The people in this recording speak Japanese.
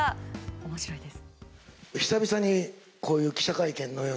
面白いです。